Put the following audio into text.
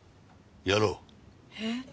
やろう。え？